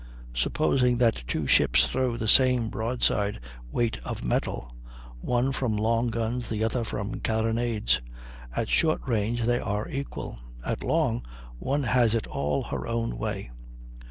Supposing that two ships throw the same broadside weight of metal, one from long guns, the other from carronades, at short range they are equal; at long, one has it all her own way.